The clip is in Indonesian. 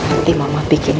nanti mama bikin